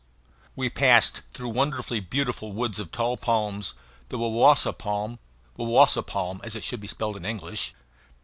We passed through wonderfully beautiful woods of tall palms, the ouaouaca palm wawasa palm, as it should be spelled in English.